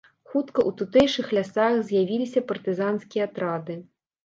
Хутка ў тутэйшых лясах з'явіліся партызанскія атрады.